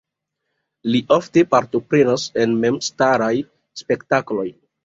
Li ofte partoprenas en memstaraj spektakloj.